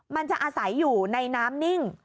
มันจะอาศัยอยู่ในน้ำนิ่ง